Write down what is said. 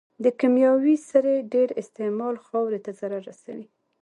د کيمياوي سرې ډېر استعمال خاورې ته ضرر رسوي.